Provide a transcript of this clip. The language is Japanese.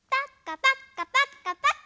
パッカパッカパッカ。